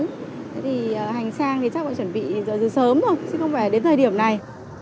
thế thì hành sang thì chắc bọn chuẩn bị rồi rồi sớm thôi chứ không phải đến thời điểm này